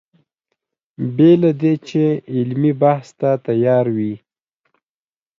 بې له دې چې علمي بحث ته تیار وي.